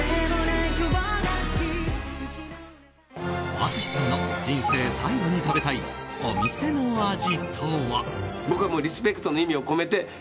淳さんの人生最後に食べたいお店の味とは。